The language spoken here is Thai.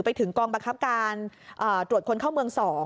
ไปถึงกองบังคับการตรวจคนเข้าเมือง๒